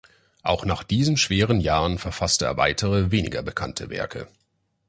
Auch nach diesen schweren Jahren verfasste er weitere, weniger bekannte Werke.